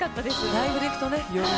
ライブで行くとより。